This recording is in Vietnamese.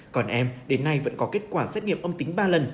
còn em đến nay vẫn có kết quả xét nghiệm âm tính ba lần